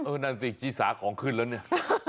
นั่นสิชีสาของขึ้นแล้วเนี่ย